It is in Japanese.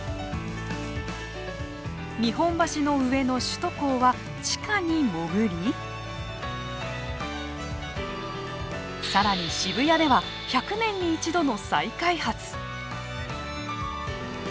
日本橋の上の首都高は地下に潜りさらに渋谷では１００年に１度の再開発。